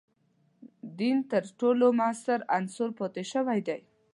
دین تر ټولو موثر عنصر پاتې شوی دی.